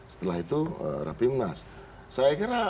setelah itu rapi munas itu akan diambil oleh pak nof dan kawan kawan lainnya